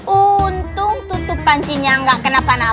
untung tutup pancinya nggak kenapa napakan